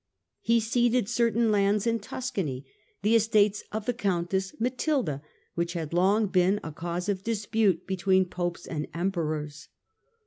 He ceded certain lands in Tuscany, the estates of the Countess Matilda, which had long been a cause of dispute between Popes and Emperors.